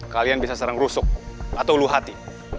kalian bisa serang rusuk atau lu hati